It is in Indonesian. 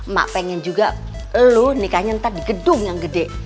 mak pengen juga lu nikahnya ntar di gedung yang gede